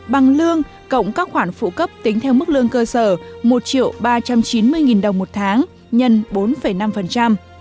bằng lương cộng các khoản phụ cấp tính theo mức lương cơ sở một ba trăm chín mươi đồng một tháng x bốn năm